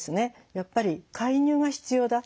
やっぱり介入が必要だ。